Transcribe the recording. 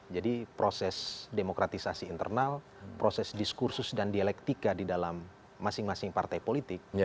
jadi proses demokratisasi internal proses diskursus dan dialektika di dalam masing masing partai politik